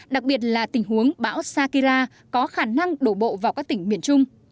đặc biệt là tình huống bão sakira có khả năng đổ bộ vào các tỉnh miền trung